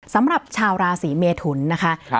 สำหรับชาวราศีเมทุนนะคะ